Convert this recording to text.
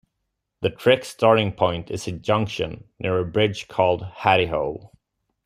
The trek starting point is a junction near a bridge called Hattihole.